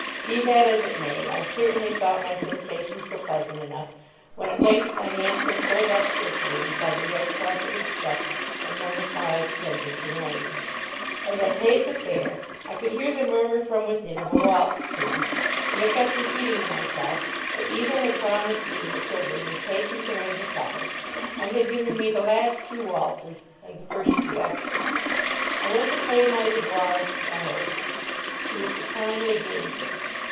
Be that as it may, I certainly thought my sensations were pleasant enough when at length my hansom pulled up jerkily beside the red carpeted steps of No. 5, Kensington Lane. As I paid the fare, I could hear the murmur from within of a waltz tune—and I kept repeating to myself that Eva had promised me the privilege of taking her in to supper, and had given me the last two waltzes and the first two extras. I went to pay my devoirs to my hostess. She was supinely gamesome.